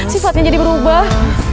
sifatnya jadi berubah